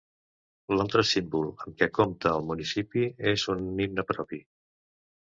L'altre símbol amb què compta el municipi és un himne propi.